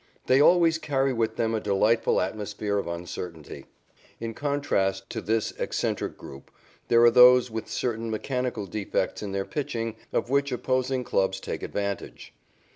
They always carry with them a delightful atmosphere of uncertainty. In contrast to this eccentric group, there are those with certain mechanical defects in their pitching of which opposing clubs take advantage.